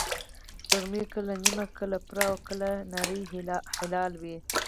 سپوږمۍ کله نیمه، کله پوره، او کله نری هلال وي